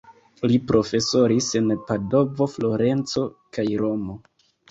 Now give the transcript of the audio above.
Li profesoris en Padovo, Florenco kaj Romo.